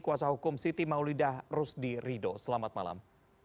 kuasa hukum siti maulidah rusdi rido selamat malam